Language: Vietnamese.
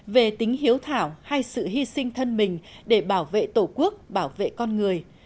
về tính hiếu thảo hay sự hy sinh thân mình để bảo vệ tổ quốc bảo vệ con người